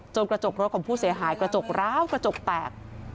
กระจกรถของผู้เสียหายกระจกร้าวกระจกแตก